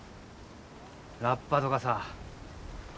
ラッパとかさ。